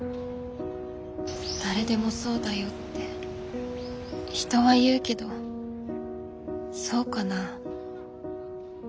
誰でもそうだよって人は言うけどそうかな？